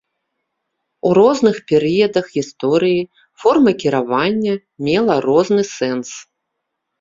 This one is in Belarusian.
У розных перыядах гісторыі форма кіравання мела розны сэнс.